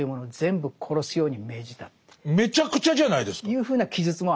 めちゃくちゃじゃないですか。というふうな記述もある。